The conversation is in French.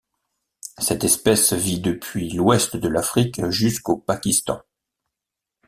Cette espèce vit depuis l'Ouest de l'Afrique jusqu'au Pakistan.